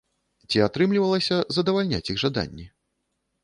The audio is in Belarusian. Ці атрымлівалася задавальняць іх жаданні?